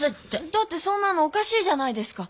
だってそんなのおかしいじゃないですか。